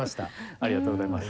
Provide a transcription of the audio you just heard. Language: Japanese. ありがとうございます。